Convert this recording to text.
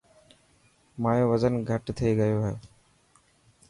مايو وزن گهٽ ٿي گيو.